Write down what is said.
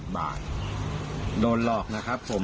๑๙๙๐บาทโดนหลอกนะครับผม